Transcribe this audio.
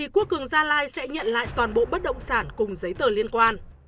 quốc cường gia lai sẽ nhận lại toàn bộ bất động sản cùng giấy tờ liên quan